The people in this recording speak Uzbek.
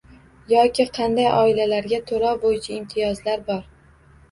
Yoki qanday oilalarga to‘lov bo‘yicha imtiyozlar bor?